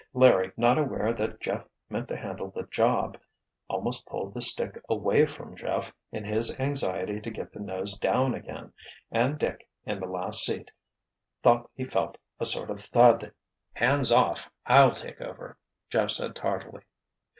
Larry, not aware that Jeff meant to handle the job, almost pulled the stick away from Jeff in his anxiety to get the nose down again, and Dick, in the last seat, thought he felt a sort of thud. "Hands off! I'll take over!" Jeff said tardily.